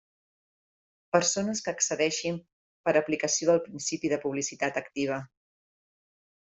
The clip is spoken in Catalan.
Persones que accedeixin per aplicació del principi de publicitat activa.